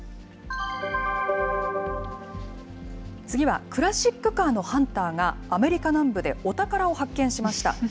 次はクラシックカーのハンターが、アメリカ南部でお宝を発見しました。